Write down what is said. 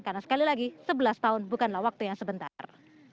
karena sekali lagi sebelas tahun bukanlah waktunya sebentar